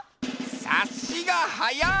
さっしがはやい！